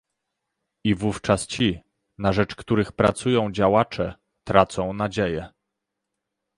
I wówczas ci, na rzecz których pracują działacze, tracą nadzieję